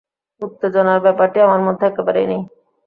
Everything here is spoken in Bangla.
উত্তেজনার ব্যাপারটি আমার মধ্যে একেবারেই নেই।